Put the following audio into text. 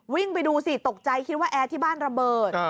วิ่งไปดูสิตกใจคิดว่าแอร์ที่บ้านระเบิด